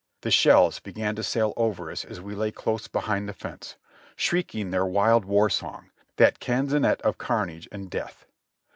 The shells began to sail over us as we lay close behind the fence, shrieking their wild war song, that canzonet of carnage and death.